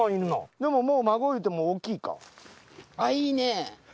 でももう孫いうても大きいか？